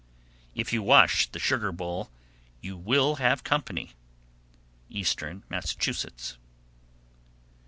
768. If you wash the sugar bowl, you will have company. _Eastern Massachusetts.